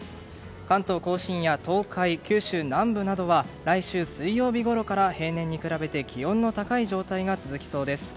関東・甲信や東海、九州南部などは来週水曜日ごろから平年に比べて気温の高い状態が続きそうです。